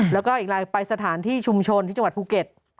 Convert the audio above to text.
แล้วก็อีกลายไปสถานที่ชุมชนที่จังหวัดภูเก็ต